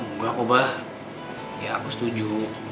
engga kok ba ya aku setuju